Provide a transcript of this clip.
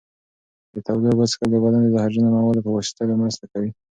د تودو اوبو څښل د بدن د زهرجنو موادو په ویستلو کې مرسته کوي.